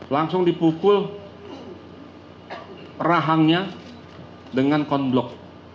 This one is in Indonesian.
langsung dipukul rahangnya dengan konblok